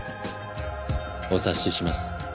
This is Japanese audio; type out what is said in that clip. お察しします。